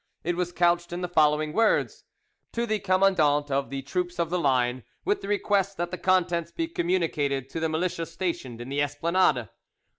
It was couched in the following words:— "To the Commandant of the troops of the line, with the request that the contents be communicated to the militia stationed in the Esplanade.